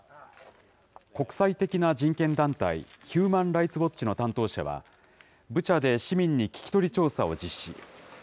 国際的な人権団体、ヒューマン・ライツ・ウォッチの担当者は、ブチャで市民に聞き取り調査を実施。